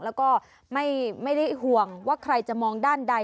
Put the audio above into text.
แล้วก็ไม่ได้ห่วงว่าใครจะมองด้านใด